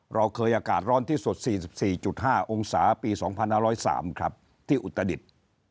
เราเคยอากาศร้อนที่สุด๔๔๕องศาปี๒๕๐๓ครับที่อุตรดิษฐ์